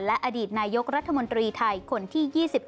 และอดีตนายกรัฐมนตรีไทยคนที่๒๑